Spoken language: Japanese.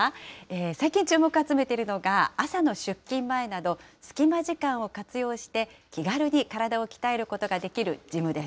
最近、注目を集めているのが、朝の出勤前など、隙間時間を活用して気軽に体を鍛えることができるジムです。